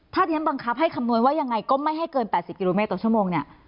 ถ้าที่ฉันบังคับให้คำนวณว่ายังไงก็ไม่ให้เกิน๘๐กิโลเมตรต่อชั่วโมงเนี่ย